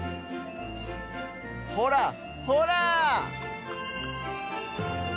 ほらほら！